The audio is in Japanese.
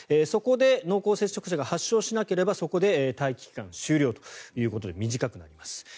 そこで濃厚接触者が発症しなければそこで待機期間終了ということで短くなります。